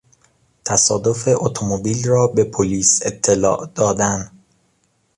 تصادف اتومبیل را به پلیس اطلاع دادن